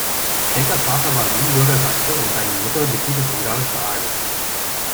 Schenkers Vater war Siebenbürger Sachse und seine Mutter Mitglied des ungarischen Adels.